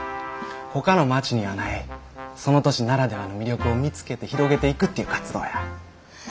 ほかの町にはないその都市ならではの魅力を見つけて広げていくっていう活動や。